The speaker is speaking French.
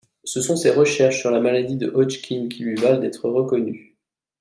Ce sont ses recherches sur la maladie de Hodgkin qui lui valent d'être reconnue.